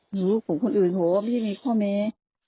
หรือของคนอื่นหัวว่าไม่มีข้อเมตร